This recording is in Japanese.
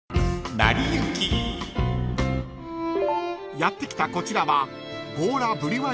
［やって来たこちらは］